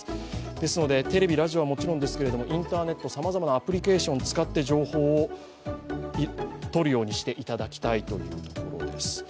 ですのでテレビ・ラジオはもちろんですけれども、インターネット、さまざまなアプリケーションを使って情報を取るようにしていただきたいところです。